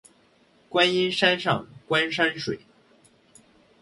观音山上观山水